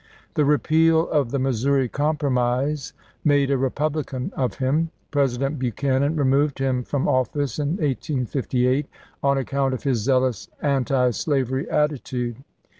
The repeal of the Missouri Com promise made a Republican of him. President Buchanan removed him from office in 1858 on ac count of his zealous antislavery attitude.